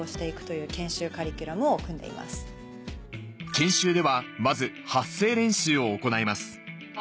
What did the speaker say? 研修ではまず発声練習を行います